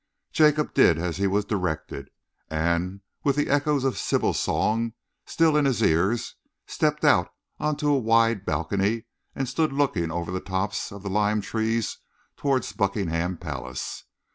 Jacob did as he was directed, and, with the echoes of Sybil's song still in his ears, stepped out on to a wide balcony and stood looking over the tops of the lime trees towards Buckingham Palace.